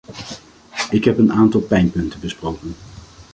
Ik heb een aantal pijnpunten besproken.